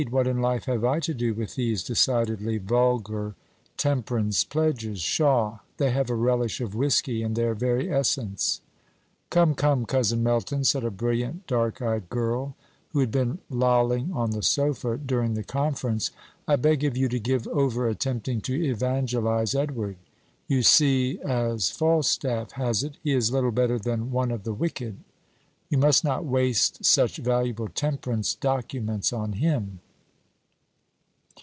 What in life have I to do with these decidedly vulgar temperance pledges? Pshaw! they have a relish of whiskey in their very essence!" "Come, come, Cousin Melton," said a brilliant, dark eyed girl, who had been lolling on the sofa during the conference, "I beg of you to give over attempting to evangelize Edward. You see, as Falstaff has it, 'he is little better than one of the wicked.' You must not waste such valuable temperance documents on him."